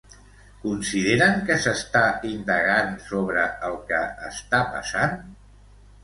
Consideren què s'està indagant sobre el que està passant?